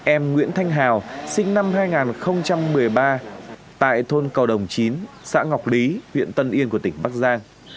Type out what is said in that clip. em nguyễn thanh hào sinh năm hai nghìn một mươi ba tại thôn cầu đồng chín xã ngọc lý huyện tân yên của tỉnh bắc giang